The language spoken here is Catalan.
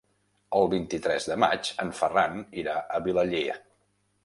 El vint-i-tres de maig en Ferran irà a Vilaller.